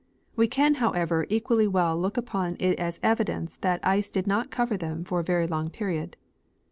We can, however, equally well look upon it as evidence that the ice did not cover them' for a very long period.